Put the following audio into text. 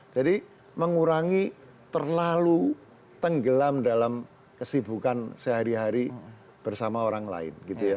jadi mengurangi terlalu tenggelam dalam kesibukan sehari hari bersama orang lain